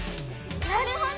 なるほど！